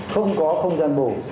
không có không gian bổ